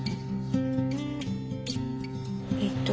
えっと